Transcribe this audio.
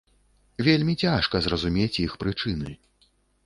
Вельмі цяжка зразумець іх прычыны.